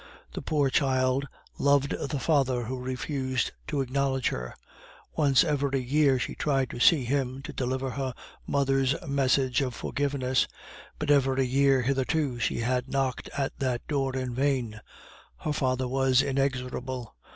The poor child loved the father who refused to acknowledge her. Once every year she tried to see him to deliver her mother's message of forgiveness, but every year hitherto she had knocked at that door in vain; her father was inexorable.